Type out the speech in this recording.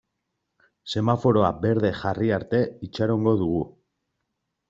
Semaforoa berde jarri arte itxarongo dugu.